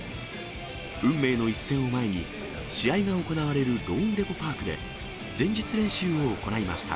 運命の一戦を前に、試合が行われるローンデポ・パークで、前日練習を行いました。